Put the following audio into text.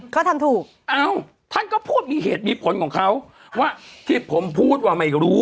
ก็ทำถูกเอ้าท่านก็พูดมีเหตุมีผลของเขาว่าที่ผมพูดว่าไม่รู้